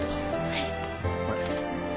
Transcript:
はい。